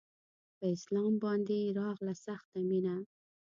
په اسلام باندې يې راغله سخته مينه